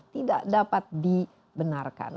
tidak dapat di benarkan